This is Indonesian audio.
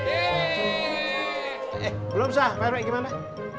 eh belum sah pak roy gimana